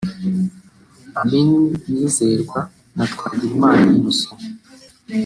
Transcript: Amin Mwizerwa na Twagirimana Innocent